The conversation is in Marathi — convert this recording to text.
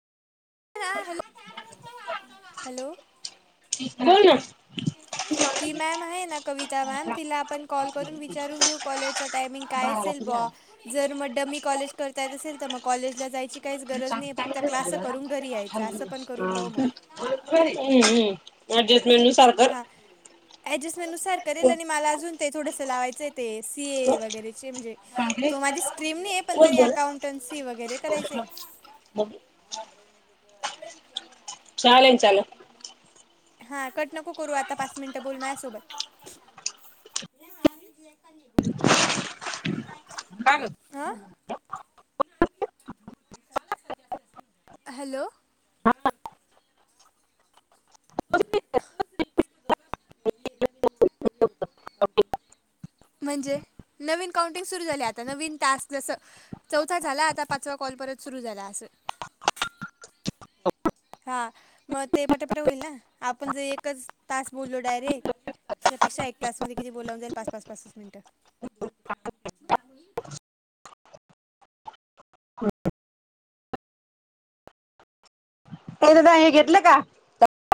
हॅलो! [unintelligible] [inaudible] ती मॅम आहे ना कविता मॅम तिला आपण कॉल करून विचारून घेऊ कॉलेजचा टायमिंग काय असेल. जर डमी कॉलेज करता येत असेल तर मग कॉलेजला जायची काहीच गरज नाही फक्त क्लास करून. घरी हा यायचं असं पण करून पाहू हम्म मग हम्म.. मेनू सांग तर. हां आणि मला अून ते थोडं लावायचं. ते सीए वगैरेचे म्हणजे तो माझी स्ट्रीम नाही आहे पण तरी अकाउंटन्सी वगैरे करायचे. हम्.. [inaudible] चालेल चालेल. हा कट नको करू आता पाच मिनिटं बोल म आहे सोबत. [inaudible] का ग? हॅलो! [inaudible] म्हणजे नवीन काउंटिंग सुर झाली आता नवीन टॅक्स जसं चौथा झाला आ पाच. कॉल परत सुरू झालासं. हो. हा मग ते पटापट होईल ना आपण जर एकच तास बोललो. डायरेट त्यापेक्षा. त्याचमध्ये किती बोलावून जाईल पाच पाच पाच तस मिनिटं का दादा हे घेतलं का?